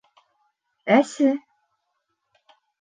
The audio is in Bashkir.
Әсе